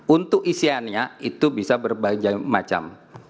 untuk isiannya itu bisa berbagai macam